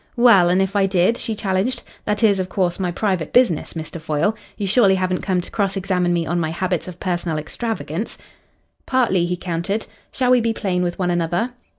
"Well, and if I did?" she challenged. "That is, of course, my private business, Mr. Foyle. You surely haven't come to cross examine me on my habits of personal extravagance?" "Partly," he countered. "Shall we be plain with one another?"